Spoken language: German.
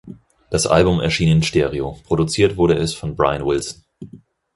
Das Album erschien in Stereo, produziert wurde es von Brian Wilson.